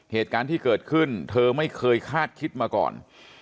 เหตุการณ์ที่เกิดขึ้นเธอไม่เคยคาดคิดมาก่อน